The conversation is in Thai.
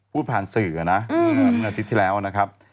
พูดผ่านสื่อนะเมื่ออาทิตย์ที่แล้วนะครับ